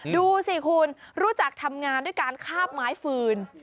ดูสิคุณรู้จักทำงานด้วยการคาบไม้ฟืน